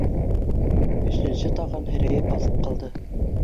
Өсөнсө «таған» һерәйеп баҫып ҡалды.